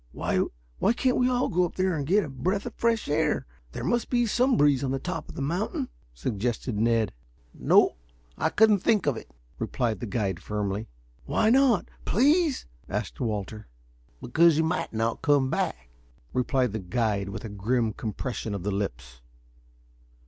"Why can't we all go up there and get a breath of fresh air? There must be some breeze on the top of the mountain," suggested Ned. "No, I couldn't think of it," replied the guide firmly. "Why not, please?" asked Walter. "Because you might not come back," replied the guide, with a grim compression of the lips.